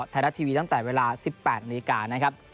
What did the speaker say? ธนาคต์ทีวีตั้งแต่เวลา๑๘นาทีนะครับ